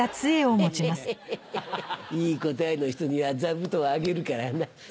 いい答えの人には座布団あげるからな。